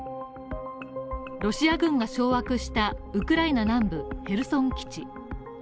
ロシア軍が掌握したウクライナ南部・ヘルソン基地。